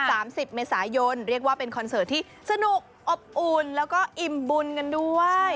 สามสิบเมษายนเรียกว่าเป็นคอนเสิร์ตที่สนุกอบอุ่นแล้วก็อิ่มบุญกันด้วย